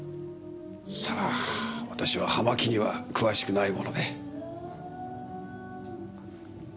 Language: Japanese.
さあ私は葉巻には詳しくないもので。